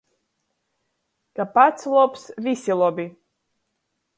Ka pats lobs, vysi lobi.